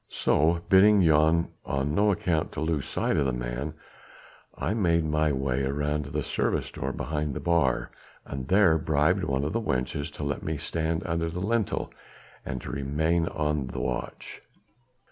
So, bidding Jan on no account to lose sight of the man, I made my way round to the service door behind the bar, and there bribed one of the wenches to let me stand under the lintel and to remain on the watch.